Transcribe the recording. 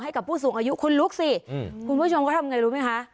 ให้กับผู้สูงอายุคุณลุกสิคุณผู้ชมเขาทำไงรู้ไหมคะ